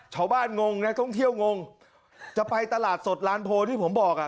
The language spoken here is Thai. ชาวบ้านงงนะต้องเที่ยวงงจะไปตลาดสดลานโพที่ผมบอกอะ